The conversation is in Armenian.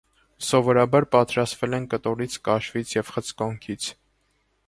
Սովորաբար պատրաստել են կտորից, կաշվից և խցկոնքից։